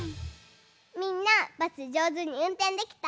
みんなバスじょうずにうんてんできた？